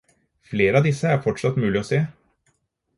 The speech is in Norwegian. Flere av disse er fortsatt mulig å se.